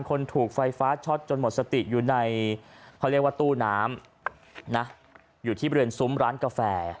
คนถูกไฟฟ้าช็อตจนหมดสติอยู่ในตู้น้ำอยู่ที่บริเวณซุ้มร้านกาแฟ